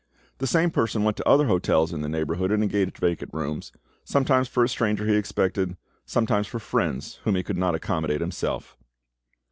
The same person went to other hotels in the neighbourhood and engaged vacant rooms, sometimes for a stranger he expected, sometimes for friends whom he could not accommodate himself.